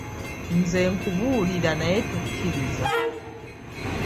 Nze nkubuulira naye tokkiriza.